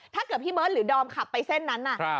ถ้าเกิดพี่เมิ้ลหรือน้องไปไปเส้นนั้นน่ะ